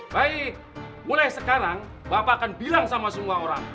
baik mulai sekarang bapak akan bilang sama semua orang